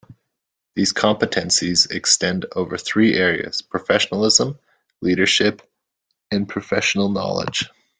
These competencies extend over three areas: professionalism, leadership and professional knowledge.